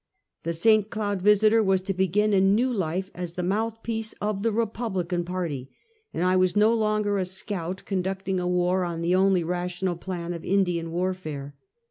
The St. Cloud Visiter was to begin a new life as the mouth piece of the Republican party, and I was no longer a scout, conducting a war on the only rational plan of Indian warfare.